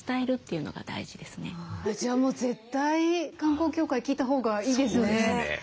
じゃあもう絶対観光協会聞いたほうがいいですよね。